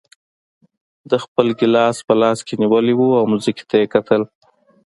ده خپل ګیلاس په لاس کې نیولی و او ځمکې ته یې کتل.